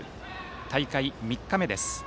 大会３日目です。